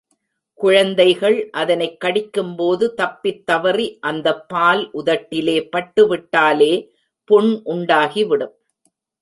குழந்தைகள் அதனைக் கடிக்கும் போது தப்பித் தவறி அந்தப் பால் உதட்டிலே பட்டுவிட்டாலே புண் உண்டாகிவிடும்.